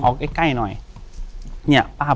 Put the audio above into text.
อยู่ที่แม่ศรีวิรัยยิวยวลครับ